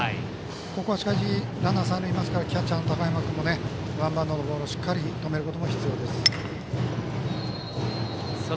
ここは、しかしランナーが三塁にいるのでキャッチャーもワンバウンドのボールをしっかり止めることも必要です。